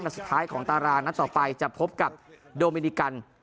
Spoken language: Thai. สุดท้ายของตารางนัดต่อไปจะพบกับโดมินิกัน